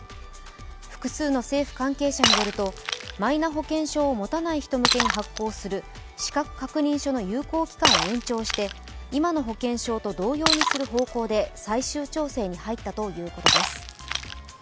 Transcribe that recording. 複数の政府関係者によるとマイナ保険証を持たない人向けに発行する資格確認書の有効期間を延長して今の保険証と同様にする方向で最終調整に入ったということです。